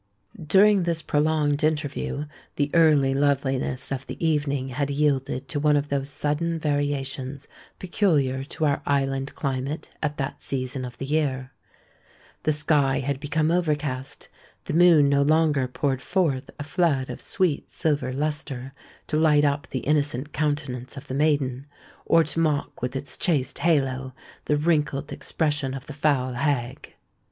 During this prolonged interview the early loveliness of the evening had yielded to one of those sudden variations peculiar to our island climate at that season of the year:—the sky had become overcast—the moon no longer poured forth a flood of sweet silver lustre to light up the innocent countenance of the maiden, or to mock with its chaste halo the wrinkled expression of the foul hag.